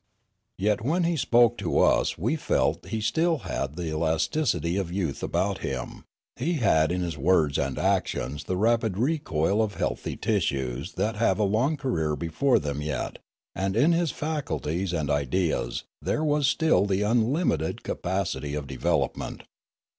Yet when he spoke to us we felt that he had still the elasticity of youth about him ; he had in his words and actions the rapid recoil of healthy tissues that have a long career before them yet, and in his faculties and ideas there was still the unlimited capacity of develop ment.